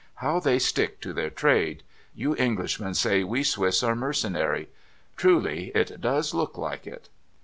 ' How they stick to their trade ! You Englishmen say we Swiss are mercenary. Truly, it does look like it.'